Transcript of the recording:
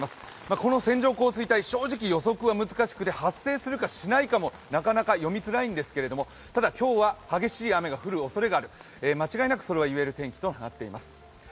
この線状降水帯、正直予測が難しくて発生するかどうかもなかなか読みづらいんですけれどもただ、今日は激しい雨が降るおそれがある間違いなく、それは言える天気となっています。